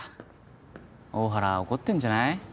大原怒ってんじゃない？